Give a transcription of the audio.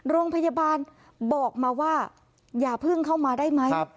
โรงพยาบาลบอกมาว่าอย่าเพิ่งเข้ามาได้ไหม